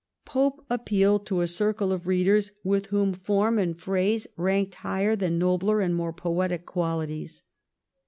Pope appealed to a circle of readers with whom form and phrase ranked higher than nobler and more poetic qualities.